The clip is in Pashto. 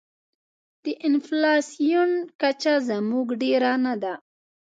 د انفلاسیون کچه زموږ ډېره نه ده.